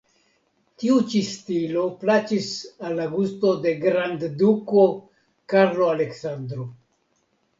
Tiu ĉi stilo plaĉis al la gusto de grandduko Karlo Aleksandro.